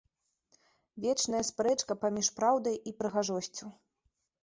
Вечная спрэчка паміж праўдай і прыгажосцю.